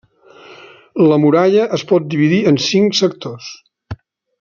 La muralla es pot dividir en cinc sectors.